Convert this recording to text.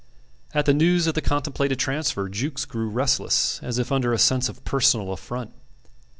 At the news of the contemplated transfer Jukes grew restless, as if under a sense of personal affront.